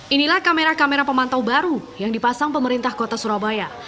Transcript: inilah kamera kamera pemantau baru yang dipasang pemerintah kota surabaya